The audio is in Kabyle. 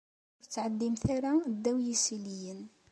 Ur ttɛeddimt ara ddaw yisiliyen.